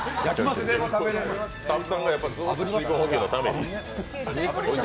スタッフさんが水分補給のために。